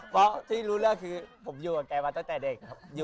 เพราะที่รู้เรื่องคือผมอยู่กับแกมาตั้งแต่เด็กครับ